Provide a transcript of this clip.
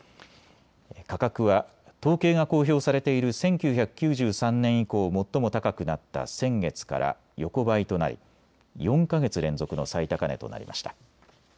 価格は統計が公表されている１９９３年以降、最も高くなった先月から横ばいとなり４か月連続の最高値となりました。